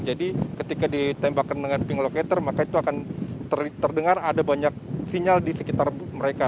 jadi ketika ditembakkan dengan pink locator maka itu akan terdengar ada banyak sinyal di sekitar mereka